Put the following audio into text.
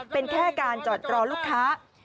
เป็นแค่การจอดรอลูกค้า